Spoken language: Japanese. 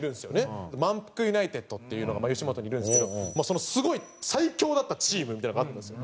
まんぷくユナイテッドっていうのが吉本にいるんですけどそのすごい最強だったチームみたいなのがあったんですよ。